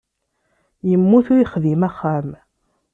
Yemmut ur yexdim axxam.